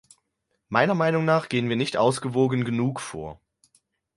Meiner Meinung nach gehen wir nicht ausgewogen genug vor.